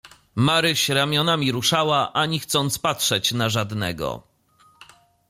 "Maryś ramionami ruszała, ani chcąc patrzeć na żadnego."